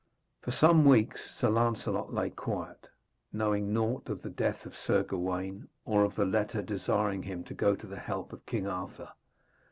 For some weeks Sir Lancelot lay quiet, knowing naught of the death of Sir Gawaine or of the letter desiring him to go to the help of King Arthur.